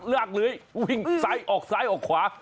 ลากเลยออกซ้ายออกขวา